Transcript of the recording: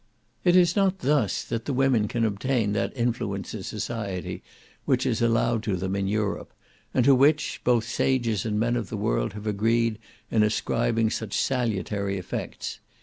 It is not thus that the women can obtain that influence in society which is allowed to them in Europe, and to which, both sages and men of the world have agreed in ascribing such salutary effects.